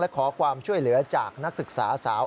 ขอความช่วยเหลือจากนักศึกษาสาว